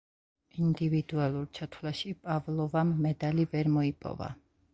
ინდივიდუალურ ჩათვლაში პავლოვამ მედალი ვერ მოიპოვა.